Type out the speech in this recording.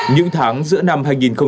những tháng giữa năm hai nghìn hai mươi một